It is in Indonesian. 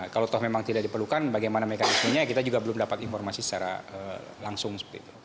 kalau memang tidak diperlukan bagaimana mekanismenya kita juga belum dapat informasi secara langsung